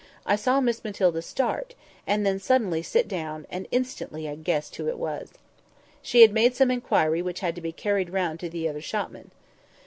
I saw Miss Matilda start, and then suddenly sit down; and instantly I guessed who it was. She had made some inquiry which had to be carried round to the other shopman.